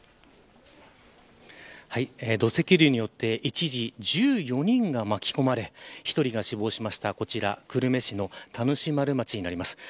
土石流によって一時１４人が巻き込まれ１人が死亡しましたこちら久留米市の田主丸町になります。